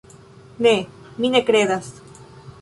Ne, mi ne kredas.